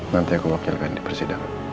nanti aku wakilkan di persidangan